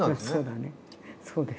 そうだね。